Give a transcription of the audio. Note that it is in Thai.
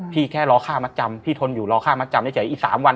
แค่รอค่ามัดจำพี่ทนอยู่รอค่ามัดจำเฉยอีก๓วัน